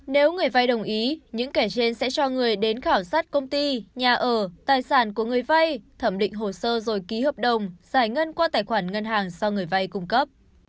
nếu người vay đồng ý những kẻ trên sẽ cho người đến khảo sát công ty nhà ở tài sản của người vay thẩm định hồ sơ rồi ký hợp đồng giải ngân qua tài khoản ngân hàng do người vay cung cấp